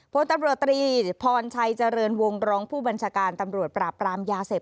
พลตำรวจตรีพรชัยเจริญวงรองผู้บัญชาการตำรวจปราบปรามยาเสพ